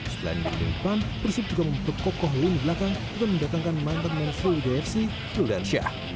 setelah di depan persib juga memperkokoh lumi belakang dengan mendatangkan mantan menengah selu di fc lugansyah